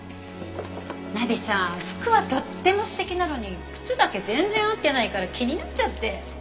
ナベさん服はとっても素敵なのに靴だけ全然合ってないから気になっちゃって。